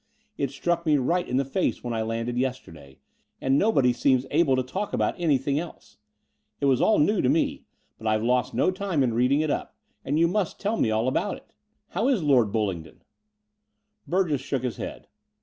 It struck me right in the face when I landed yesterday ; and nobody seems able to talk about anything else. It was all new to me, but I've lost no time in read ing it up : and you must tell me all about it. How is Lord BuUingdon ?*' Burgess shook his head.